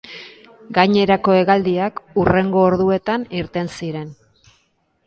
Gainerako hegaldiak hurrengo orduetan irten ziren.